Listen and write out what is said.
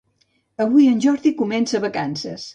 Avui en Jordi comença vacances